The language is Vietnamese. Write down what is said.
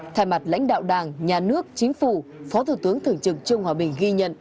thay mặt lãnh đạo đảng nhà nước chính phủ phó thủ tướng thượng trực trung hòa bình ghi nhận